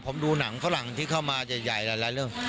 ผมดูหนังฝรั่งที่เข้ามาใหญ่หลายเรื่อง